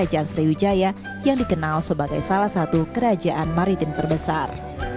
kerajaan sriwijaya yang dikenal sebagai salah satu kerajaan maritim terbesar